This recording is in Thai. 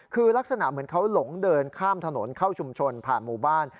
คือลักษณะเหมือนเขาหลงเดินข้ามถนนเข้าชุมชนผ่านหมู่บ้าน